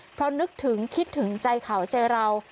เพราะนึกถึงคิดถึงใจเขาใจเรา